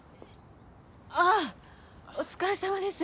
ああお疲れ様です！